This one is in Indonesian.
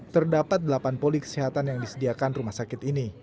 terdapat delapan poli kesehatan yang disediakan rumah sakit ini